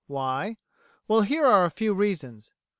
Why? Well, here are a few reasons.